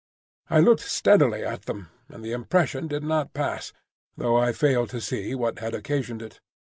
I looked steadily at them, and the impression did not pass, though I failed to see what had occasioned it.